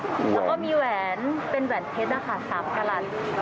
แล้วก็มีแหวนเป็นแหวนเพชรนะคะ๓กะลัน